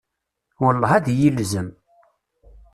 Welleh, ad iyi-ilzem!